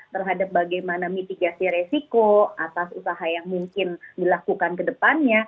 terhadap bagaimana mitigasi resiko atas usaha yang mungkin dilakukan kedepannya